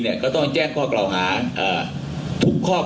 หนึ่งก็อยู่ที่บริหารฐานนะครับ